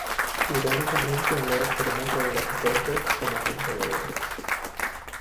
Irónicamente, luego firmó con los Dodgers como agente libre.